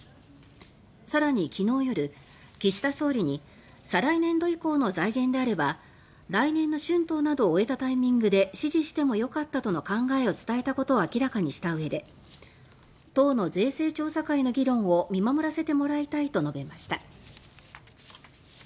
更に、昨日夜岸田総理に「再来年度以降の財源であれば来年の春闘などを終えたタイミングで指示してもよかった」との考えを伝えたことを明らかにしたうえで「党の税制調査会の議論を見守らせてもらいたい」と述べました。